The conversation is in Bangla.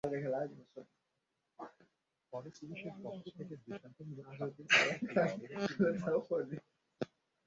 পরে পুলিশের পক্ষ থেকে দৃষ্টান্তমূলক শাস্তির আশ্বাস দিলে অবরোধ তুলে নেওয়া হয়।